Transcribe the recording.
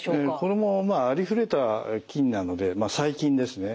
これもありふれた菌なので細菌ですね。